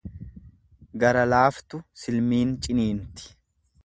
Gara laaftu silmiin ciniinti.